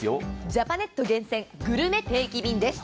ジャパネット厳選、グルメ定期便です。